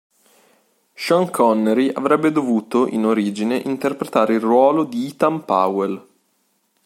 Sean Connery avrebbe dovuto, in origine, interpretare il ruolo di Ethan Powell.